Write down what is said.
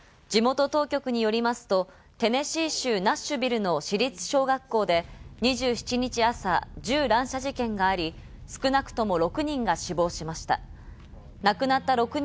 地元当局によりますとテネシー州ナッシュビルの私立小学校で２７日朝、銃乱射事件があり、少なくとも６人が死亡しました。